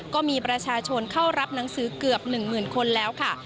ก็มีประชาชนเข้ารับหนังสือเกือบ๑๐๐๐คนแล้วค่ะ